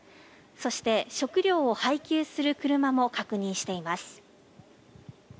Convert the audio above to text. そして、食料を配給する車も確認しています。